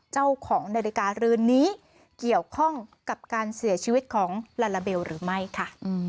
เจ้าของนาฬิกาเรือนนี้เกี่ยวข้องกับการเสียชีวิตของลาลาเบลหรือไม่ค่ะ